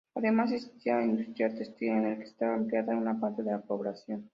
Además existía industria textil en el que estaba empleada una parte de la población.